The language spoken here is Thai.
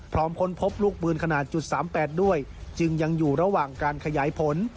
ค้นพบลูกปืนขนาดจุด๓๘ด้วยจึงยังอยู่ระหว่างการขยายผล